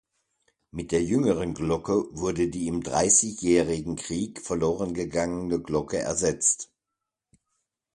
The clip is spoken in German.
Mit der jüngeren Glocke wurde die im Dreißigjährigen Krieg verloren gegangene Glocke ersetzt.